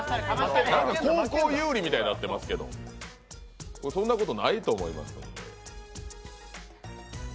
なんか後攻有利みたいになってますけど、そんなことないと思いますんで。